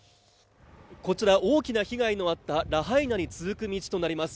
こちら、大きな被害のあったラハイナに続く道となります。